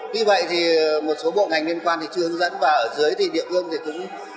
tuy vậy thì một số bộ ngành liên quan thì chưa hướng dẫn và ở dưới thì địa phương thì cũng